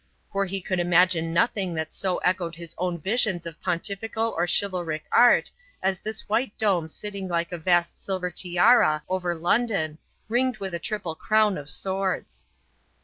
For he could imagine nothing that so echoed his own visions of pontifical or chivalric art as this white dome sitting like a vast silver tiara over London, ringed with a triple crown of swords.